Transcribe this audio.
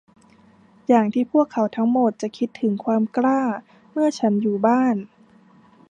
อย่างที่พวกเขาทั้งหมดจะคิดถึงความกล้าเมื่อฉันอยู่บ้าน